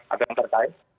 ada yang terkait